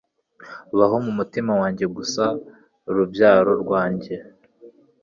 Baho mu mutima wanjye gusa rubyaro rwanjye